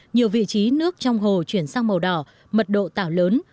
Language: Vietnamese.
nhiều vị trí nước trong hồ chuyển sang màu đỏ mật độ tảo lớn